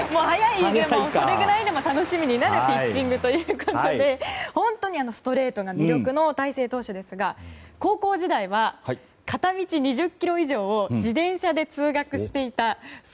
それぐらい楽しみになるピッチングということで本当にストレートが魅力の大勢投手ですが高校時代は片道２０ｋｍ以上を自転車で通学していた。